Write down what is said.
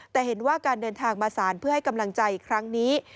แต่เห็นว่าการเดินทางมาสารเพื่อให้กำลังใจครั้งนี้